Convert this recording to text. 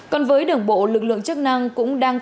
còn với đường bộ lực lượng chức năng cũng đang